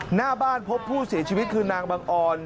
หน้าบ้านพบผู้เสียชีวิตคือนางบังออน